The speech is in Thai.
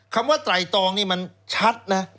ว่าไตรตองนี่มันชัดนะ